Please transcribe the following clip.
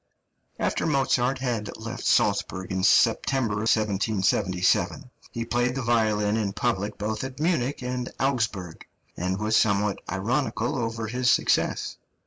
} (317) After Mozart had left Salzburg in September, 1777, he played the violin in public both at Munich and Augsburg, and was somewhat ironical over his success.